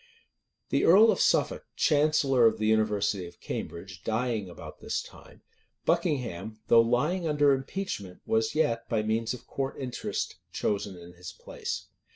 The earl of Suffolk, chancellor of the university of Cambridge, dying about this time, Buckingham, though lying under impeachment was yet, by means of court interest, chosen in his place.